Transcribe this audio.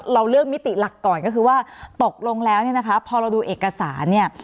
เราเลือกมิติหลักก่อนก็คือว่าตกลงแล้วเนี่ยนะคะพอเราดูเอกสารเนี่ย